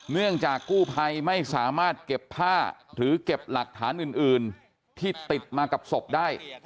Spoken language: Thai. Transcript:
เนื่องจากกู้ภัยไม่สามารถเก็บผ้าหรือเก็บหลักฐานอื่นที่ติดมากับศพได้